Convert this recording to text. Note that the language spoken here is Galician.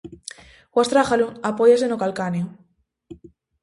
O astrágalo apóiase no calcáneo.